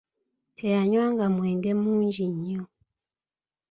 Teyanywanga mwenge mungi nnyo.